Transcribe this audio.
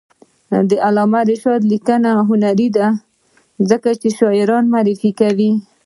د علامه رشاد لیکنی هنر مهم دی ځکه چې شاعران معرفي کوي.